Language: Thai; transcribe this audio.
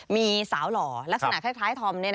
มีสาวหล่อลักษณะคล้ายธอม